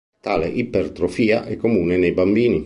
Tale ipertrofia è comune nei bambini.